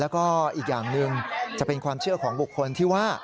แล้วก็อีกอย่างหนึ่งจะเป็นความเชื่อของบุคคลที่ว่า